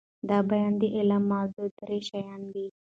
دبیان د علم موضوع درې شيان دي.